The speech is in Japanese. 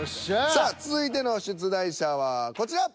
さあ続いての出題者はこちら！